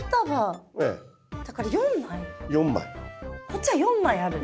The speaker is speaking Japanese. こっちは４枚ある？